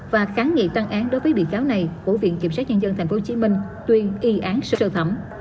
và kháng nghị tăng án đối với bị cáo này của viện kiểm sát nhân dân tp hcm tuyên y án sơ thẩm